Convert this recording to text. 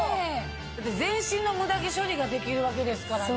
だって全身のムダ毛処理ができるわけですからね。